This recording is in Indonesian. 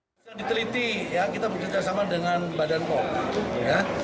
bnn telah meneliti dan berkaitan dengan badan poh